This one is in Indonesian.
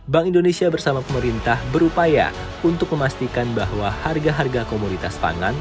bank indonesia bersama pemerintah berupaya untuk memastikan bahwa harga harga komoditas pangan